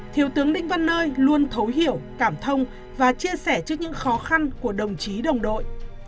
thiếu tướng đinh văn nơi luôn thấu hiểu cảm thông và chia sẻ trước những khó khăn của đồng chí đồng đội